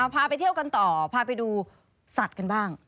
พาไปเที่ยวกันต่อพาไปดูสัตว์กันบ้าง